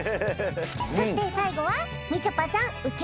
そしてさいごはみちょぱさんうきょうくんチーム。